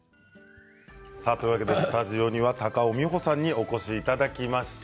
スタジオには高尾美穂さんにお越しいただきました。